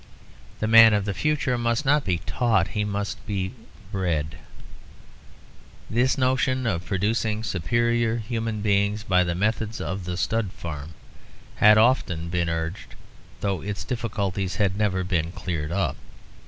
The man of the future must not be taught; he must be bred. This notion of producing superior human beings by the methods of the stud farm had often been urged, though its difficulties had never been cleared up.